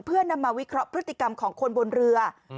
เพื่อนำมาวิเคราะห์พฤติกรรมของคนบนเรือ